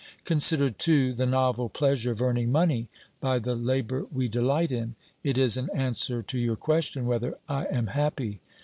Consider, too, the novel pleasure of earning money by the labour we delight in. It is an answer to your question whether I am happy.